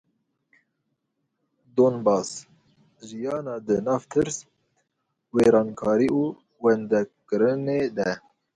Donbas; jiyana di nav tirs, wêrankarî û wendakirinê de.